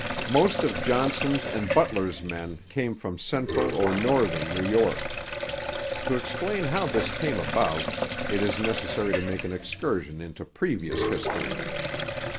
Most of Johnson's and Butler's men came from central or northern New York. To explain how this came about it is necessary to make an excursion into previous history.